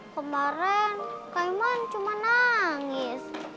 kemaren kayman cuma nangis